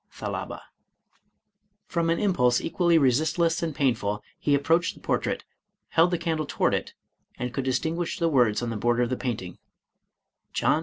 — ^Thalaba. From an impulse equally resistless and painful, he ap proached the portrait, held the candle toward it, and could distinguish the words on the border of the painting, — ^Jno.